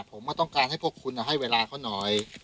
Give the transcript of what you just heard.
ผมแม้ต้องการอยากให้พวกคุณไม่ว่าให้เวลาเขาหน่อย